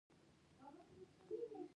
د توکوګاوا کورنۍ واک ته ورسېده.